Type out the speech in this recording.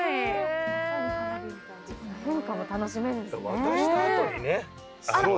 変化も楽しめるんですね。